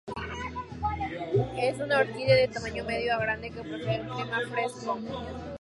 Es una orquídea de tamaño medio a grande que prefiere el clima fresco.